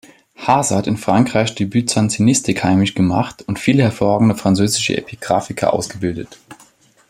Hase hat in Frankreich die Byzantinistik heimisch gemacht und viele hervorragende französische Epigraphiker ausgebildet.